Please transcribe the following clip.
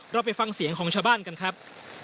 เราไปฟังเสียงของชาวบ้านกันครับ